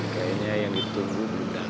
kayaknya yang ditunggu mudah